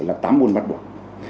là tám môn bắt buộc